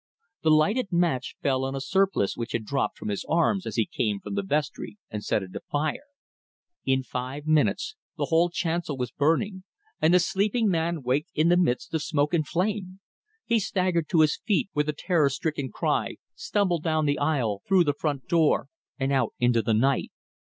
The lighted match fell on a surplice which had dropped from his arms as he came from the vestry, and set it afire. In five minutes the whole chancel was burning, and the sleeping man waked in the midst of smoke and flame. He staggered to his feet with a terror stricken cry, stumbled down the aisle, through the front door, and out into the night.